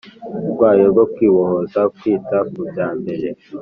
rwayo rwo kwibohoza Kwita ku bya mbere